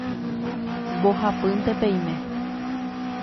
mbohapýnte peime